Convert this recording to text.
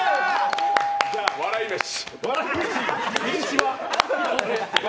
笑い飯。